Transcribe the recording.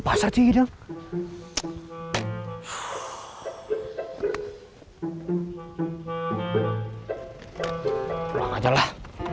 pulang aja lah